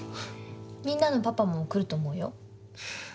みんなのパパも来ると思うよ。